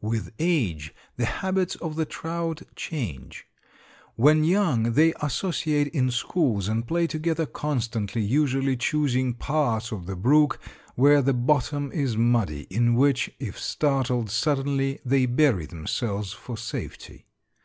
With age the habits of the trout change. When young they associate in schools and play together constantly, usually choosing parts of the brook where the bottom is muddy, in which, if startled suddenly, they bury themselves for safety.